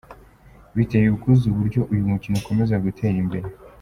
Biteye ubwuzu uburyo uyu mukino ukomeza gutera imbere.